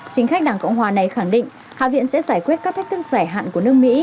chính khách đảng cộng hòa này khẳng định hạ viện sẽ giải quyết các thách thức giải hạn của nước mỹ